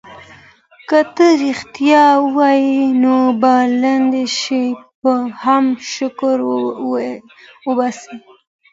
که ته ریښتیا وایې نو په لږ شي به هم شکر وباسې.